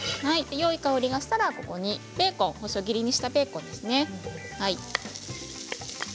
よい香りがしたら細切りにしたベーコンですね。